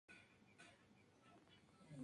Está realzado con el escudo de armas familiar.